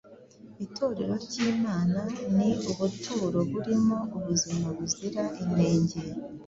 Itorero ry’Imana ni ubuturo burimo ubuzima buzira inenge,